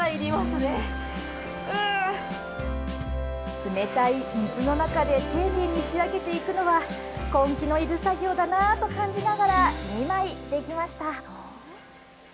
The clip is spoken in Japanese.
冷たい水の中で丁寧に仕上げていくのは、根気のいる作業だなと感じながら、２枚出来ました。